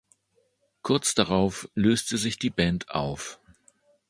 Kurz darauf löste sich die Band auf.